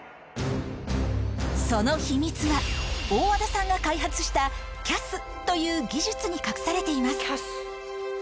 その秘密は大和田さんが開発したＣＡＳという技術に隠されています